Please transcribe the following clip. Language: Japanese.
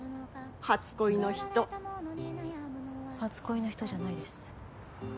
初恋の人初恋の人じゃないです